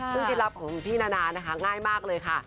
ซึ่งที่ลับของพี่นานานะคะง่ายมากเลยค่ะ